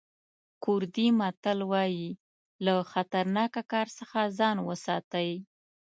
کوردي متل وایي له خطرناکه کار څخه ځان وساتئ.